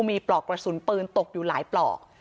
มีปลอกกระสุนปืนตกอยู่หลายปลอก